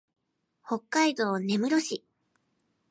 北海道根室市